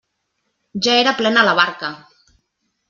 Ja era plena la barca!